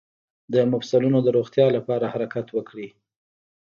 د مفصلونو د روغتیا لپاره حرکت وکړئ